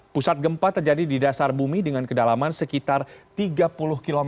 pusat gempa terjadi di dasar bumi dengan kedalaman sekitar tiga puluh km